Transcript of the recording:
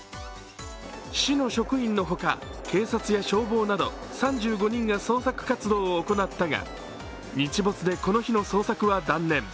市の職員のほか、警察や消防など３５人が捜索活動を行ったが日没でこの日の捜索は断念。